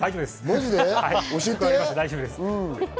大丈夫です。